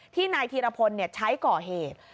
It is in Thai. นายธีรพลใช้ก่อเหตุ